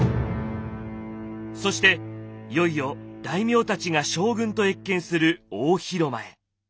そしていよいよ大名たちが将軍と謁見する大広間へ。